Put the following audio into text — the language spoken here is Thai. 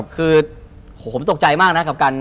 คือผมตกใจมากนะกับการ